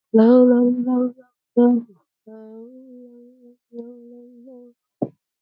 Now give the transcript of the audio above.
They are creamy white with wavy petals gently edged with pink carmine.